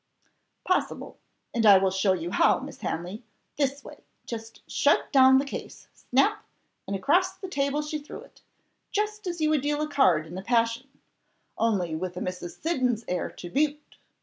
"Possible and I will show you how, Miss Hanley. This way: just shut down the case snap! and across the table she threw it, just as you would deal a card in a passion, only with a Mrs. Siddons' air to boot.